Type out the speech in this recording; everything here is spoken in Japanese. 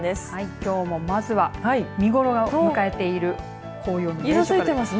きょうもまずは見頃を迎えている紅葉ですね。